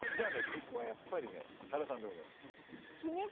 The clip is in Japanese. ここはやっぱりね原さんでございます